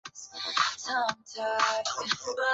它是古巴哈瓦那旧城主教座堂广场最突出的建筑。